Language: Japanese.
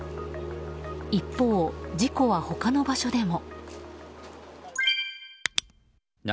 一方、事故は他の場所でも。